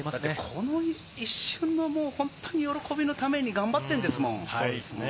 この一瞬の喜びのために頑張っているんですもん。